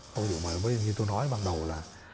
không hiểu mà như tôi nói ban đầu là